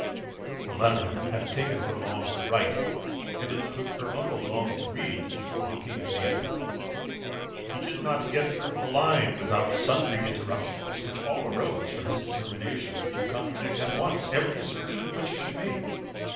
The letter had taken her long to write, and it took her uncle long to read, before he came to the end of it. He did not get through a line without sundry interruptions, which all arose from his determination to contradict at once every assertion which she made.